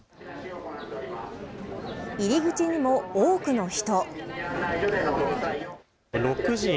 入り口にも多くの人。